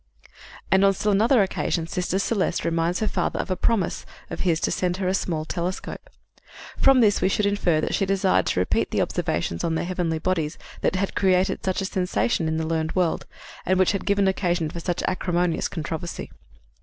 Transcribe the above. And on still another occasion Sister Celeste reminds her father of a promise of his to send her a small telescope. From this we should infer that she desired to repeat the observations on the heavenly bodies that had created such a sensation in the learned world, and which had given occasion for such acrimonious controversy.